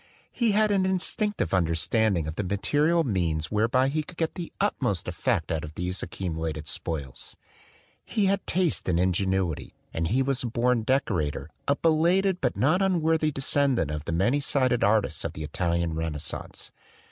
He had an instinctive under standing of the material means whereby he could get the utmost effect out of these accu mulated spoils. He had taste and ingenuity; and he was a born decorator, a belated but not unworthy descendant of the many sided artists of the Italian Renascence.